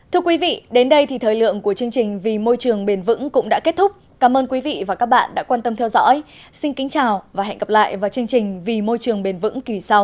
thưa quý vị đến đây thì thời lượng của chương trình vì môi trường bền vững cũng đã kết thúc cảm ơn quý vị và các bạn đã quan tâm theo dõi xin kính chào và hẹn gặp lại vào chương trình vì môi trường bền vững kỳ sau